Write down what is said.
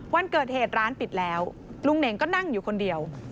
วันเกิดเหตุร้านปิดแล้วลุงเน่งก็นั่งอยู่คนเดียว